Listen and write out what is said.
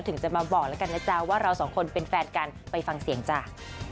ถึงจะมาบอกแล้วกันนะจ๊ะว่าเราสองคนเป็นแฟนกันไปฟังเสียงจ้า